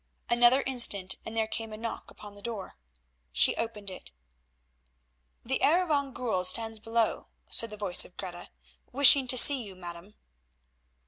Another instant and there came a knock upon the door. She opened it. "The Heer van Goorl stands below," said the voice of Greta, "wishing to see you, madam."